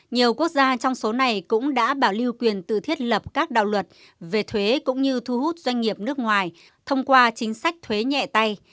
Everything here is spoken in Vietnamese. nhiều quốc gia trong số này cũng đã bảo lưu quyền từ thiết lập các đạo luật về thuế cũng như thu hút doanh nghiệp nước ngoài thông qua chính sách thuế nhẹ tay